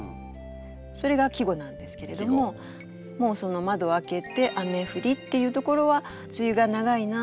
それが季語なんですけれどももうその「窓を開けて雨降り」っていうところは「梅雨が長いな」